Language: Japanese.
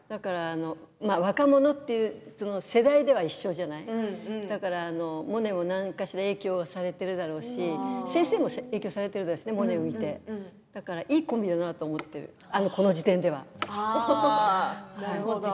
若者という世代では一緒じゃないモネも何かしら影響されているでしょうし、先生も影響されているんだろうしモネを見ていいコンビだなと思っているこの時点では。